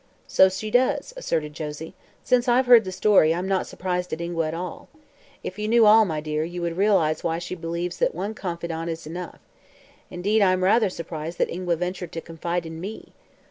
"So she does," asserted Josie. "Since I've heard the story, I'm not surprised at Ingua at all. If you knew all, my dear, you would realize why she believes that one confidant is enough. Indeed, I'm rather surprised that Ingua ventured to confide in me."